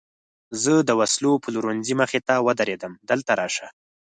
زه د وسلو پلورنځۍ مخې ته ودرېدم، دلته راشه.